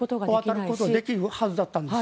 渡ることができるはずだったんです。